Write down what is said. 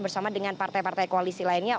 bersama dengan partai partai koalisi lainnya